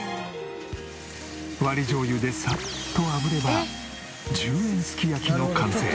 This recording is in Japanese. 割り醤油でサッとあぶれば１０円すき焼きの完成。